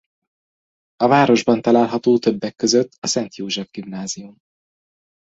A városban található többek között a Szent József Gimnázium.